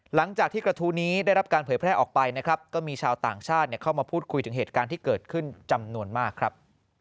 หลังจากที่กระทู้นี้ได้รับการเผยแพร่ออกไปนะครับก็มีชาวต่างชาติเข้ามาพูดคุยถึงเหตุการณ์ที่เกิดขึ้นจำนวนมากครับ